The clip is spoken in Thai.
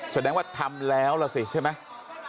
แสดงว่าทำแล้วล่ะสิใช่ไหม